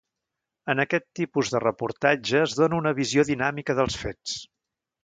En aquest tipus de reportatge es dóna una visió dinàmica dels fets.